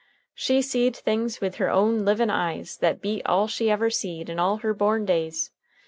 She'd seed things with her own livin' eyes that beat all she ever seed in all her born days.